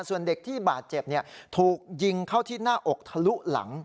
ส่วนเด็กที่บาดเจ็บถูกยิงเข้าที่หน้าอกทะลุหลัง